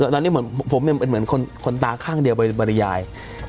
ตอนนี้เหมือนผมเป็นเหมือนคนตาข้างเดียวบริยาย